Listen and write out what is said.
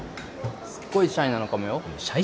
すっごいシャイなのかもよシャイ